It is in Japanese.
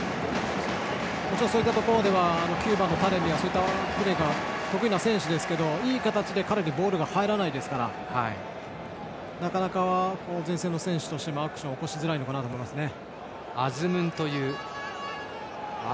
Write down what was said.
そういったところでは９番のタレミとかそういったプレーが得意な選手ですがいい形で彼にボールが入らないのでなかなか前線の選手としてもアクションを起こしづらいのかなと思いますね。